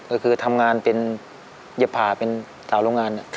ก็คือทำงานเป็นเย็บผ่าเป็นสาวโรงงาน